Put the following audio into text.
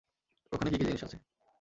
ওখানে কী কী জিনিস আছে?